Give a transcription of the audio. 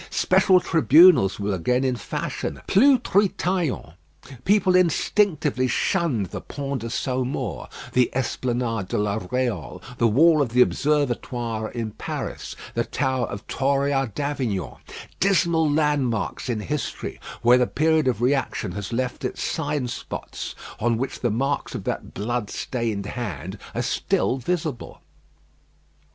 Special tribunals were again in fashion plus Treetaillon. People instinctively shunned the Pont de Saumur, the Esplanade de la Réole, the wall of the Observatoire in Paris, the tower of Taurias d'Avignon dismal landmarks in history where the period of reaction has left its sign spots, on which the marks of that blood stained hand are still visible.